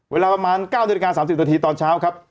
เวลาประมาณ๙นาฬิกา๘๐สัตว์ต่อทีตอนเช้าครับ